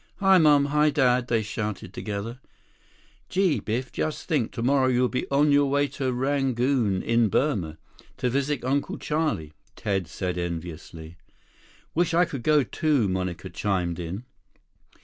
"Hi, Mom! Hi, Dad!" they shouted together. 6 "Gee, Biff, just think, tomorrow you'll be on your way to Rangoon in Burma, to visit Uncle Charlie," Ted said enviously. "Wish I could go, too," Monica chimed in.